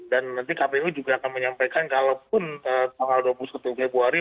dan nanti kpu juga akan menyampaikan kalaupun tanggal dua puluh satu februari